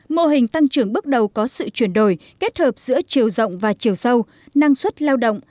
mô hình tăng trưởng bước đầu có sự chuyển đổi kết hợp giữa chiều rộng và chiều sâu năng suất lao động